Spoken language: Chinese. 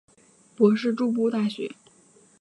博士筑波大学。